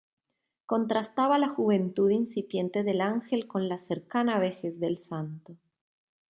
Contrastaba la juventud incipiente del ángel con la cercana vejez del santo.